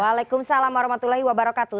waalaikumsalam warahmatullahi wabarakatuh